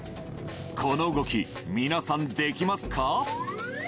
この動き、皆さん、できますか？